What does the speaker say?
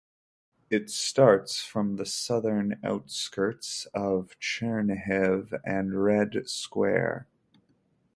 It starts from the southern outskirts of Chernihiv and Red Square.